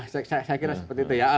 saya kira seperti itu ya